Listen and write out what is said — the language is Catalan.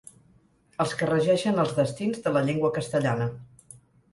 Els que regeixen els destins de la llengua castellana.